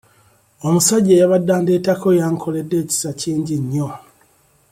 Omusajja eyabadde andeetako yankoledde ekisa kingi nnyo.